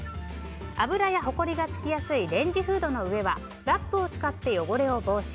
油やほこりが付きやすいレンジフードの上はラップを使って汚れを防止。